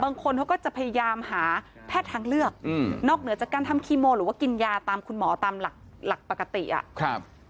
บางคนเขาก็จะพยายามหาแพทย์ทางเลือกอืมนอกเหนือจากการทำคีโมหรือว่ากินยาตามคุณหมอตามหลักปกติอ่ะครับ